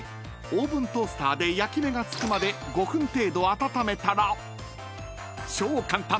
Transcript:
オーブントースターで焼き目が付くまで５分程度温めたら超簡単！